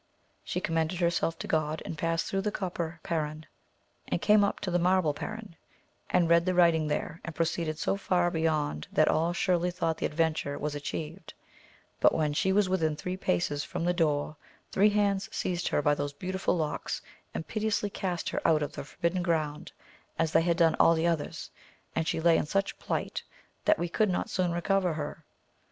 She commended her self to God, and passed through the copper Perron, and came up to the marble Perron and read the writ ing there, and proceeded so far beyond that all surely thought the adventure was atchieved ; but when she was within three paces from the door three hands seized her by those beautiful locks, and pitilessly cast her out of the forbidden ground as they had done all others, and she lay in such plight that we could not soon recover her.